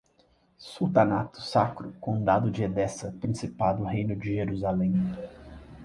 sultanatos, sacro, condado de Edessa, Principado, Reino de Jerusalém